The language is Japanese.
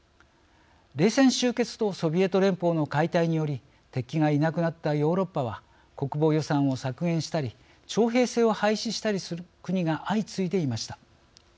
冷戦終結とソビエト連邦の解体により敵がいなくなったヨーロッパは国防予算を削減したり徴兵制を廃止したりする国が相次いでいました。